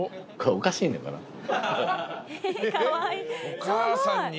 お母さんに？